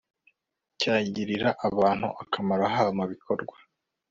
cyagirira abantu akamaro haba mu bikorwa